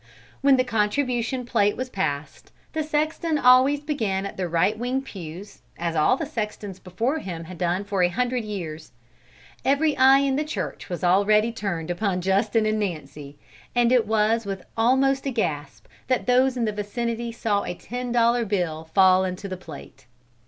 When the contribution plate was passed, the sexton always began at the right wing pews, as all the sextons before him had done for a hundred years. Every eye in the church was already turned upon Justin and Nancy, and it was with almost a gasp that those in the vicinity saw a ten dollar bill fall in the plate.